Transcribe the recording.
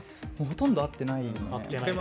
ほとんど会ってないよね。